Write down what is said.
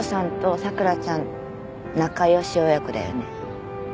仲良し親子だよね。